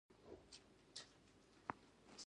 بېرته د سوټو کولونیلو خواته راځې.